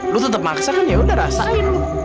lo tetep maksa kan yaudah rasain